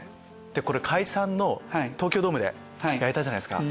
で解散の東京ドームでやられたじゃないですか。